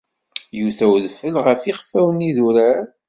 Yuta udfel ɣef ixfawen n idurar.